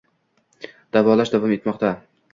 Davolash davom etmoqda